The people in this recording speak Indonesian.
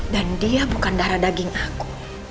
dan dia bukan darah daging aku